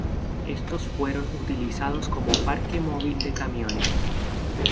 Estos fueron utilizados como parque móvil de camiones.